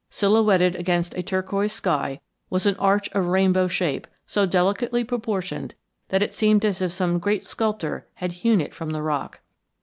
Silhouetted against a turquoise sky was an arch of rainbow shape, so delicately proportioned that it seemed as if some great sculptor had hewn it from the rock.